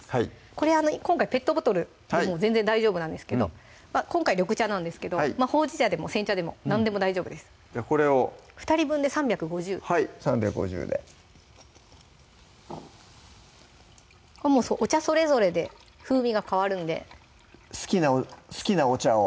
これ今回ペットボトルで全然大丈夫なんですけど今回緑茶なんですけどほうじ茶でも煎茶でも何でも大丈夫ですじゃあこれを２人分で３５０はい３５０でお茶それぞれで風味が変わるんで好きなお茶を？